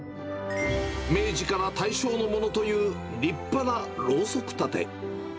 明治から大正のものという、立派なろうそく立て。